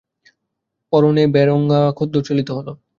পরনে বেরঙা খদ্দর চলিত হল।